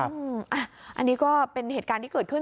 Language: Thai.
อันนี้ก็เป็นเหตุการณ์ที่เกิดขึ้น